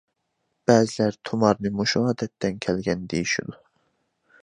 بەزىلەر تۇمارنى مۇشۇ ئادەتتىن كەلگەن دېيىشىدۇ.